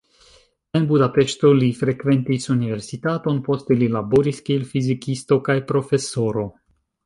En Budapeŝto li frekventis universitaton, poste li laboris, kiel fizikisto kaj profesoro.